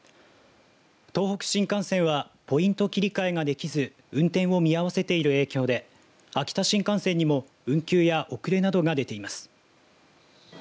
東北新幹線はポイント切り替えができず運転を見合わせている影響で秋田新幹線にも運休や遅れなどが出ています。